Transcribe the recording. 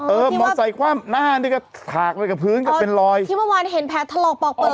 มอเซคว่ำหน้านี่ก็ถากไปกับพื้นก็เป็นรอยที่เมื่อวานเห็นแผลถลอกปอกเปลือก